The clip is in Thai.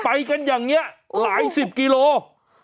ไปกันอย่างนี้หลายสิบกิโล